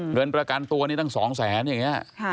เงินประกันตัวนี้ตั้ง๒๐๐๐๐๐บาทอย่างนี้